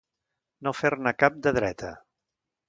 No fer-ne cap de dreta.